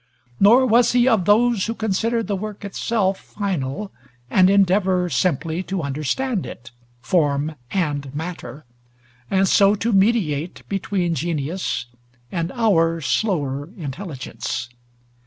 Nor was he of those who consider the work itself final, and endeavor simply to understand it, form and matter, and so to mediate between genius and our slower intelligence.